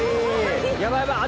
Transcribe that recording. やばいやばい！